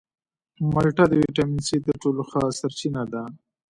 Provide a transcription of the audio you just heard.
مالټه د ویټامین سي تر ټولو ښه سرچینه ده.